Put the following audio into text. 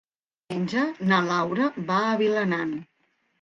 Diumenge na Laura va a Vilanant.